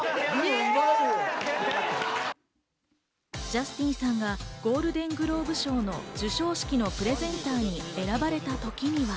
ジャスティンさんがゴールデングローブ賞の授賞式のプレゼンターに選ばれた時には。